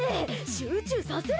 集中させろ！